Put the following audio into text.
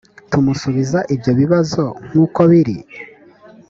tumusubiza ibyo bibazo nk’uko biri?